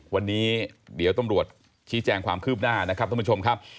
วันนี้ต้มรวจชี้แจงความคืบหน้านะครับ